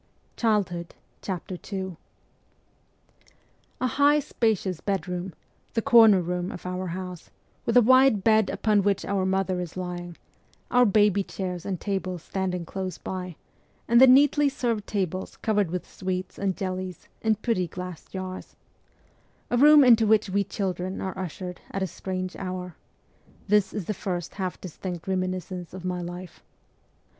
MKMOIRS OF A HEVOLUT10NIST II A HIGH, spacious bedroom, the corner room of our house, with a wide bed upon which our mother is lying, our baby chairs and tables standing close by, and the neatly served tables covered with sweets and jellies in pretty glass jars a room into which we children are ushered at a strange hour this is the first half distinct reminiscence of my life.